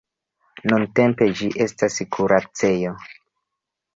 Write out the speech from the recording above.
Nuntempe ĝi estas kuracejo.